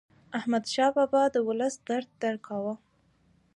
احمدشاه بابا د ولس درد درک کاوه.